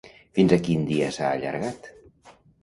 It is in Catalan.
Fins a quin dia s'ha allargat?